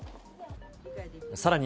さらに、